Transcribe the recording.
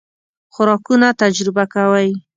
خوراکونه تجربه کوئ؟